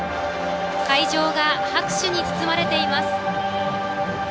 会場が拍手に包まれています。